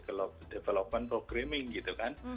namanya security development programming gitu kan